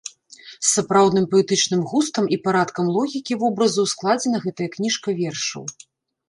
З сапраўдным паэтычным густам і парадкам логікі вобразаў складзена гэтая кніжка вершаў.